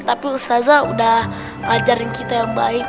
tapi ustazah udah ngajarin kita yang baik